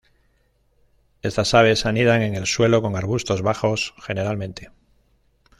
Estas aves anidan en el suelo con arbustos bajos generalmente.